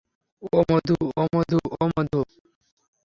ওঁ মধু ওঁ মধু ওঁ মধু।